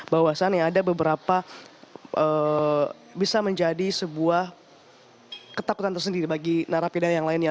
bahwasannya ada beberapa bisa menjadi sebuah ketakutan tersendiri bagi narapidana yang lainnya